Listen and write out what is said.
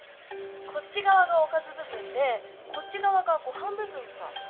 こっちがわが「おかずぶ分」でこっちがわが「ごはんぶ分」か。